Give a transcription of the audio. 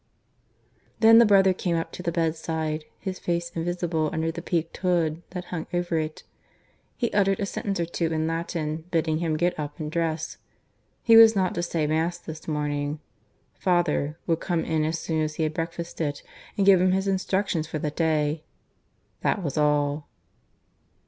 Then the brother came up to the bedside, his face invisible under the peaked hood that hung over it. He uttered a sentence or two in Latin, bidding him get up and dress. He was not to say Mass this morning. "Father" would come in as soon as he had breakfasted and give him his instructions for the day. That was all.